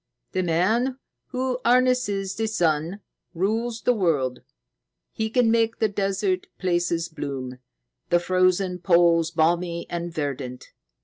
"The man who harnesses the sun rules the world. He can make the desert places bloom, the frozen poles balmy and verdant.